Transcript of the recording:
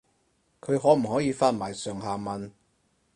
佢可唔可以發埋上下文